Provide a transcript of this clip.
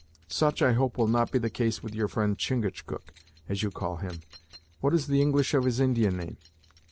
"Such I hope will not be the case with your friend Chingachgook, as you call him what is the English of his Indian name?"